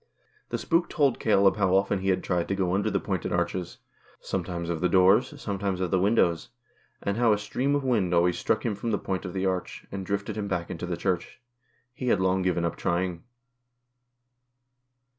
The spook told Caleb how often he had tried to go under the pointed arches, sometimes of the doors, sometimes of the windows, and how a stream of wind always struck him from the point of the arch, and drifted him back into the Church. He had long given up trying.